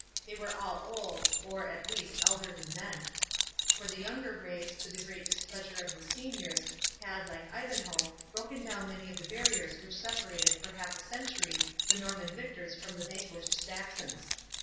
They were all old, or, at least, elderly men; for the younger race, to the great displeasure of the seniors, had, like Ivanhoe, broken down many of the barriers which separated for half a century the Norman victors from the vanquished Saxons.